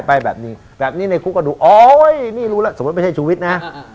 ไปแบบนี้แบบนี้ในคุกก็ดูโอ๊ยนี่รู้แล้วสมมุติไม่ใช่ชูวิทย์นะ